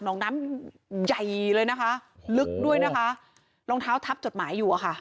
น้องน้ำใหญ่เลยนะคะลึกด้วยนะคะรองเท้าทับจดหมายอยู่อะค่ะ